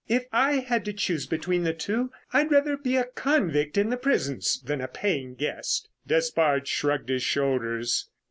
If I had to choose between the two, I'd rather be a convict in the prisons than a paying guest." Despard shrugged his shoulders.